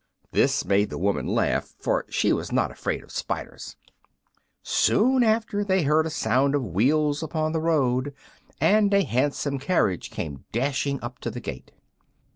This made the woman laugh, for she was not afraid of spiders. Soon after they heard a sound of wheels upon the road and a handsome carriage came dashing up to the gate.